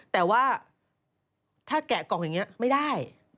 แต่ว่าถ้าแกะกล่องอย่างนี้ไม่ได้